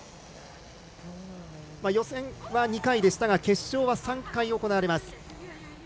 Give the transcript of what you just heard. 予選は２回でしたが決勝は３回行われます。